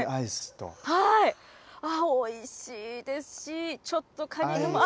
はい、おいしいですし、ちょっと果肉も。